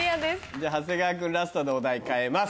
じゃあ長谷川君ラストでお題変えます。